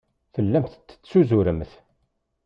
Tellamt tettuzuremt.